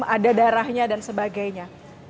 ada darahnya dan sebagainya